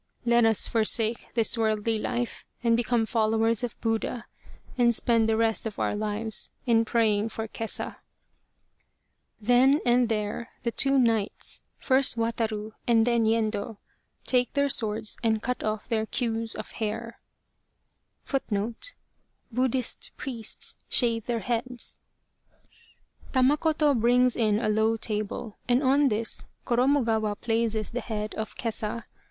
" Let us forsake this worldly life and become followers of Buddha, and spend the rest of our lives in praying for Kesa." Then and there the two knights, first Wataru and then Yendo, take their swords and cut off their queues of hair.* Tamakoto brings in a low table, and on this Koromogawa places the head of Kesa.